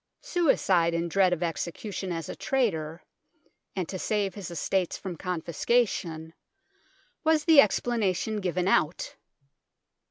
Suicide in dread of execution as a traitor, and to save his estates from confiscation, was the explanation given out.